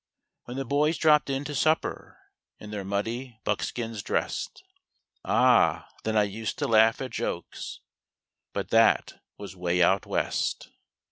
When the boys dropped in to supper, In their muddy buckskins dressed, Ah, then I used to laugh at jokes— But that was 'way out West.